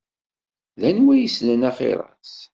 D anwa i yessnen axiṛ-as?